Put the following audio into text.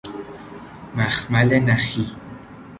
مخمل نخی